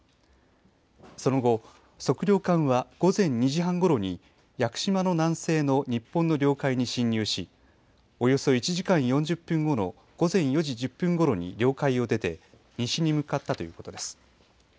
その後、測量艦は午前２時半ごろに屋久島の南西の日本の領海に侵入しおよそ１時間４０分後の午前４時１０分ごろに領海を出て西に向かったということです。